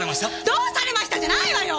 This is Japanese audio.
どうされましたじゃないわよ！